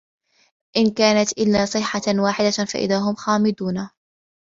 إِن كانَت إِلّا صَيحَةً واحِدَةً فَإِذا هُم خامِدونَ